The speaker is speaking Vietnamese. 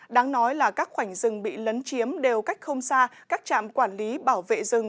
đáng nói là các khoảnh rừng bị lấn chiếm đều cách không xa các trạm quản lý bảo vệ rừng